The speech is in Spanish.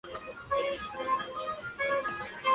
Planta rizomatosa, perenne, algo trepadora, erecta en la base.